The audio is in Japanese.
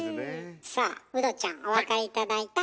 さあウドちゃんお分かり頂いた？